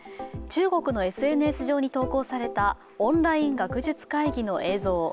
中国のＳＮＳ上に投稿されたオンライン学術会議の映像。